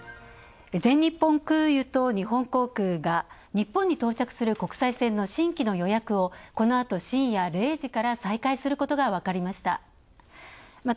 全日本空輸と日本航空が日本に到着する国際線の新規の予約をこのあと深夜０時から再開することが分かりました。